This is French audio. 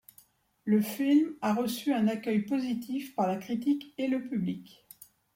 Le film a reçu un accueil positif par la critique et le public.